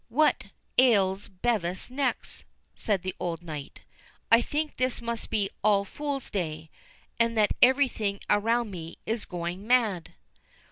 "What ails Bevis next?" said the old knight. "I think this must be All Fools day, and that every thing around me is going mad!"